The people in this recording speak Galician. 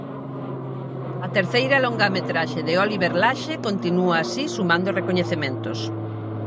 A terceira longametraxe de Oliver Laxe continúa así sumando recoñecementos.